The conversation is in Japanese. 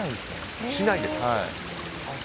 しないですね。